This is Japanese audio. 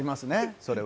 それは。